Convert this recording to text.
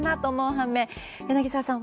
反面柳澤さん